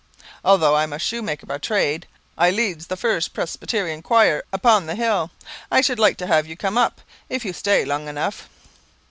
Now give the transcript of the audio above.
Although I'm a shoe maker by trade, I leads the first Presbyterian choir upon the hill. I should like to have you come up, if you stay long enough."